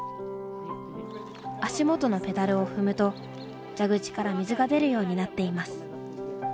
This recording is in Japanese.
足元のペダルを踏むと蛇口から水が出るようになっています。